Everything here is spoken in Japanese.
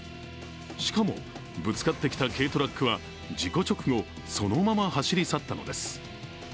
しかも、ぶつかってきた軽トラックは事故直後、そのまま走り去ったのです。